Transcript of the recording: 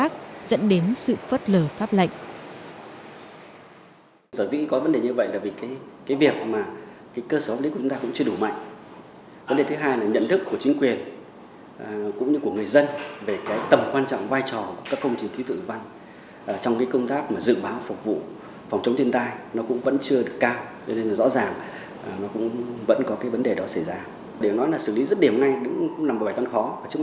các ngành khác dẫn đến sự phất lờ pháp lệnh